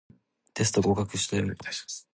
テスト合格したよ